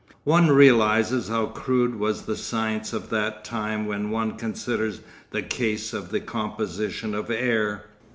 One realises how crude was the science of that time when one considers the case of the composition of air.